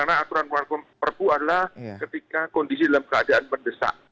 karena aturan pengeluaran pkpu adalah ketika kondisi dalam keadaan mendesak